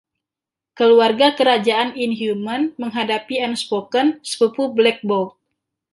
Keluarga Kerajaan Inhuman menghadapi Unspoken, sepupu Black Bolt.